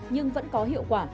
nhưng vẫn có hiệu quả